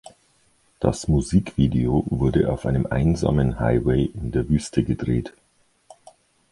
Das Musikvideo wurde auf einem einsamen Highway in der Wüste gedreht.